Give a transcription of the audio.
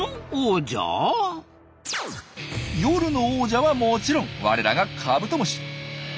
夜の王者はもちろん我らがカブトムシ。